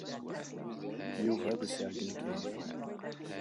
Yuba ad as-iɛeyyen i Kahina.